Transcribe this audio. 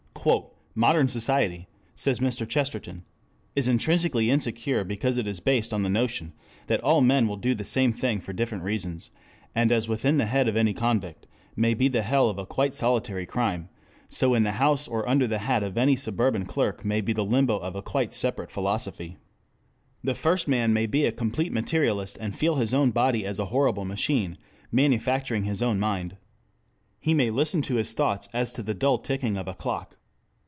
"Modern society," says Mr. Chesterton, "is intrinsically insecure because it is based on the notion that all men will do the same thing for different reasons.... And as within the head of any convict may be the hell of a quite solitary crime, so in the house or under the hat of any suburban clerk may be the limbo of a quite separate philosophy. The first man may be a complete Materialist and feel his own body as a horrible machine manufacturing his own mind. He may listen to his thoughts as to the dull ticking of a clock.